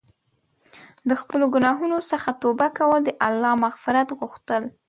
د خپلو ګناهونو څخه توبه کول او د الله مغفرت غوښتل.